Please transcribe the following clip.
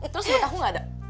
terus buat aku gak ada